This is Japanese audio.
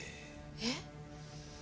えっ？